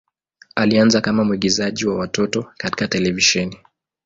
Alianza kama mwigizaji wa watoto katika televisheni.